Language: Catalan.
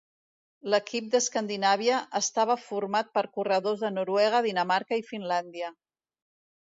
L'equip d'Escandinàvia estava format per corredors de Noruega, Dinamarca i Finlàndia.